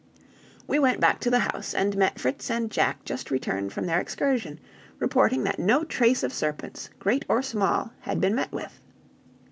We went back to the house, and met Fritz and Jack just returned from their excursion, reporting that no trace of serpents, great or small, had been met with.